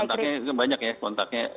kontaknya banyak ya